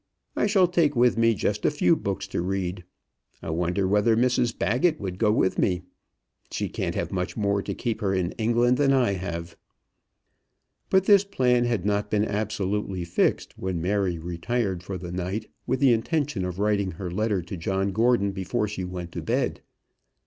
I shall take with me just a few books to read. I wonder whether Mrs Baggett would go with me. She can't have much more to keep her in England than I have." But this plan had not been absolutely fixed when Mary retired for the night, with the intention of writing her letter to John Gordon before she went to bed.